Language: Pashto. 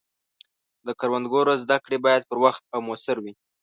د کروندګرو زده کړې باید پر وخت او موثر وي.